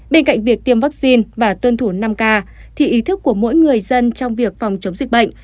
bên cạnh việc tiêm vaccine và tuân thủ năm k thì ý thức của mỗi người dân trong việc phòng chống dịch bệnh